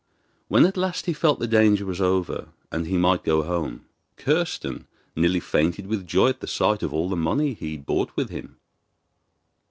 When at last he felt the danger was over, and he might go home, Kirsten nearly fainted with joy at the sight of all the money he brought with him.